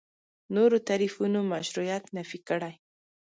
نورو تعریفونو مشروعیت نفي کړي.